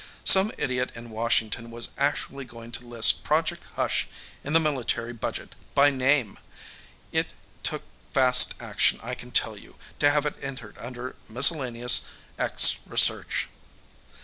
Some idiot in Washington was actually going to list Project Hush in the military budget by name! It took fast action, I can tell you, to have it entered under Miscellaneous "X" Research.